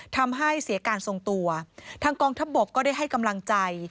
ทำให้เสียการทรงตัวทางกองทัพบกก็ได้ให้กำลังใจ